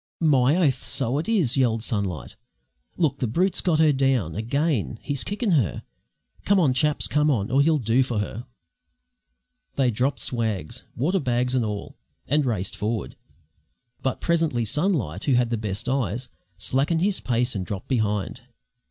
"My oath! so it is!" yelled Sunlight. "Look! the brute's got her down again! He's kickin' her. Come on, chaps; come on, or he'll do for her!" They dropped swags, water bags and all, and raced forward; but presently Sunlight, who had the best eyes, slackened his pace and dropped behind.